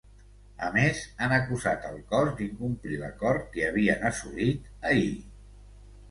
A més, han acusat al cos d’incomplir l’acord que havien assolit ahir.